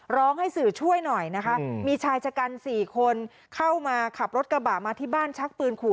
ร้องให้สื่อช่วยหน่อยนะคะมีชายชะกัน๔คนเข้ามาขับรถกระบะมาที่บ้านชักปืนขู่